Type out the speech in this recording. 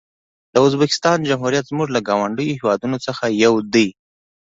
د ازبکستان جمهوریت زموږ له ګاونډیو هېوادونو څخه یو دی.